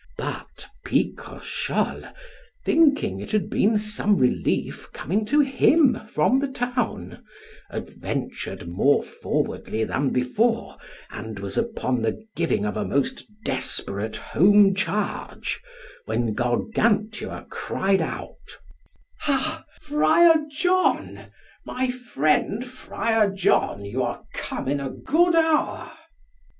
But Picrochole, thinking it had been some relief coming to him from the town, adventured more forwardly than before, and was upon the giving of a most desperate home charge, when Gargantua cried out, Ha, Friar John, my friend Friar John, you are come in a good hour.